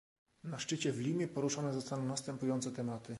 Na szczycie w Limie poruszone zostaną następujące tematy